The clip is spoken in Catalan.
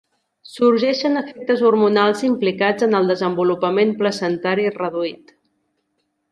Sorgeixen efectes hormonals implicats en el desenvolupament placentari reduït.